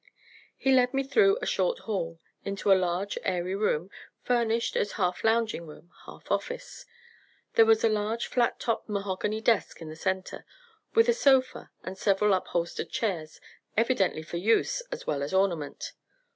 He led me through a short hall, into a large airy room, furnished as half lounging room, half office. There was a large flat top mahogany desk in the centre, with a sofa and several upholstered chairs, evidently for use as well as ornament.